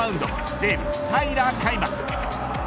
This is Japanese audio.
西武、平良海馬。